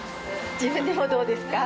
自分でもどうですか？